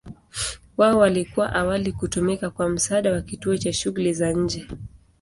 Wao walikuwa awali kutumika kwa msaada wa kituo cha shughuli za nje.